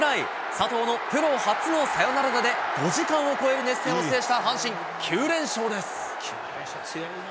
佐藤のプロ初のサヨナラ打で、５時間を超える熱戦を制した阪神、９連勝です。